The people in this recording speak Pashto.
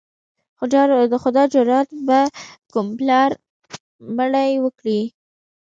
خو دا جرأت به کوم پلار مړی وکړي.